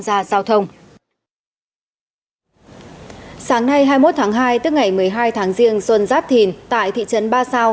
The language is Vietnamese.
gia giao thông sáng nay hai mươi một tháng hai tức ngày một mươi hai tháng riêng xuân giáp thìn tại thị trấn ba sao